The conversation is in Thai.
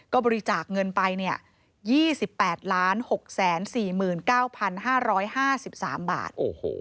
ก็บริจาคเงินไป๒๘๖๔๙๕๕๓บาท